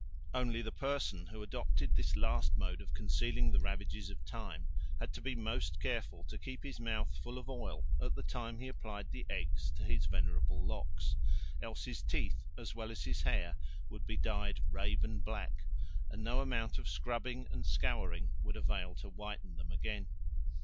Only the person who adopted this last mode of concealing the ravages of time had to be most careful to keep his mouth full of oil all the time he applied the eggs to his venerable locks, else his teeth as well as his hair would be dyed raven black, and no amount of scrubbing and scouring would avail to whiten them again.